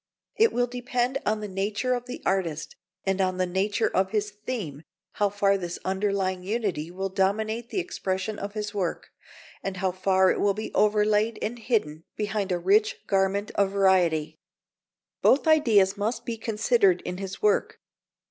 It will depend on the nature of the artist and on the nature of his theme how far this underlying unity will dominate the expression in his work; and how far it will be overlaid and hidden behind a rich garment of variety. But both ideas must be considered in his work.